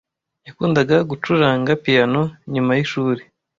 Yakundaga gucuranga piyano nyuma yishuri.